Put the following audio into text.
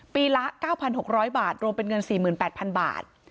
ปีละเก้าพันหกร้อยบาทรวมเป็นเงินสี่หมื่นแปดพันบาท